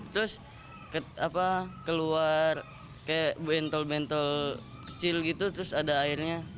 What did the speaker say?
terus keluar kayak bentol bentol kecil gitu terus ada airnya